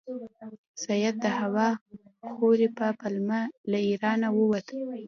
سید د هوا خورۍ په پلمه له ایرانه ووت.